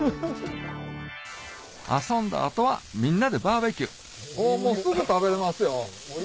遊んだ後はみんなでバーベキューすぐ食べれますよ。